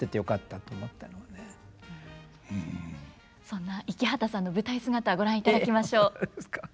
そんな池畑さんの舞台姿ご覧いただきましょう。